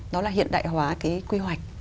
đó là hiện đại hóa cái quy hoạch